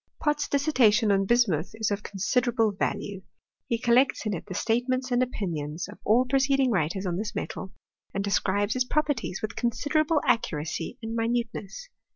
Pott's dissertation on bismuth is of considerable value. He collects in it the statements and opinions of all preceding writers on this metal, and describes its properties with considerable accuracy and minute ness.